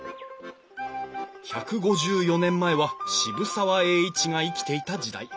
１５４年前は渋沢栄一が生きていた時代。